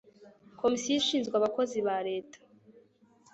komisiyo ishinzwe abakozi ba leta